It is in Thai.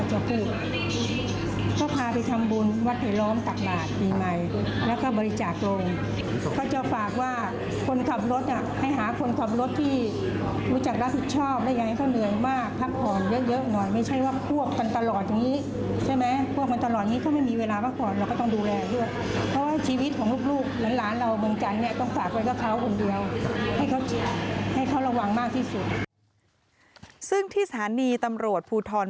ก็จะพูดก็พาไปทำบุญวัดไทยล้อมตักบาทมีใหม่แล้วก็บริจาคโรงเขาจะฝากว่าคนขับรถอ่ะให้หาคนขับรถที่รู้จักรักผิดชอบได้ยังให้เขาเหนื่อยมากพักผ่อนเยอะเยอะหน่อยไม่ใช่ว่าพวกมันตลอดอยู่นี้ใช่ไหมพวกมันตลอดอยู่นี้เขาไม่มีเวลามาก่อนเราก็ต้องดูแลด้วยเพราะว่าชีวิตของลูกหลานเราเมืองจันทร์เนี่ย